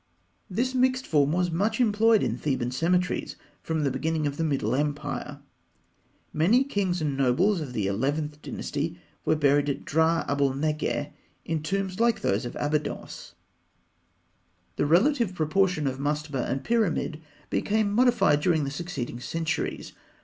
This mixed form was much employed in Theban cemeteries from the beginning of the Middle Empire. Many kings and nobles of the Eleventh Dynasty were buried at Drah Abû'l Neggeh, in tombs like those of Abydos (fig. 147). The relative proportion of mastaba and pyramid became modified during the succeeding centuries.